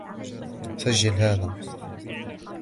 سجّل هذا.